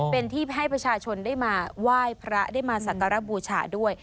เป็นที่ให้ประชาชนได้มาไหว้พระได้มาสักการบูชาด้วย